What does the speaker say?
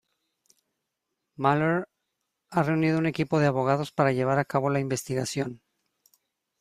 Mueller ha reunido un equipo de abogados para llevar a cabo la investigación.